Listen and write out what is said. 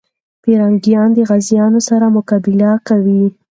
پرنګیان د غازيانو سره مقابله کوي.